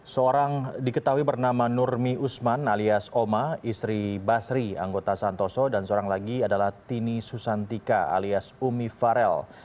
seorang diketahui bernama nurmi usman alias oma istri basri anggota santoso dan seorang lagi adalah tini susantika alias umi farel